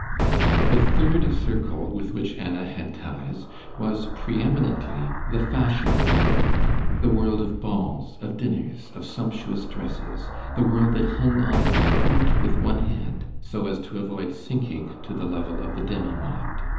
The third circle with which Anna had ties was preeminently the fashionable world—the world of balls, of dinners, of sumptuous dresses, the world that hung on to the court with one hand, so as to avoid sinking to the level of the demi monde.